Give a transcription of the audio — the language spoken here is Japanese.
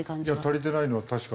足りてないのは確かだよね。